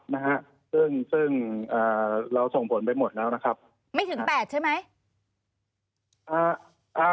นะฮะซึ่งซึ่งอ่าเราส่งผลไปหมดแล้วนะครับไม่ถึงแปดใช่ไหมอ่าอ่า